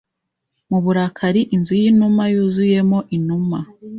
mu burakari Inzu yinuma yuzuyemo inuma